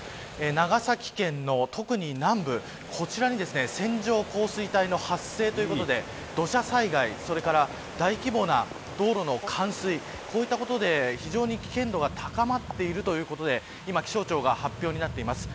長崎県の特に南部こちらに線状降水帯の発生ということで土砂災害、それから大規模な道路の冠水こういったことで非常に危険度が高まっているということで今、気象庁が発表しています。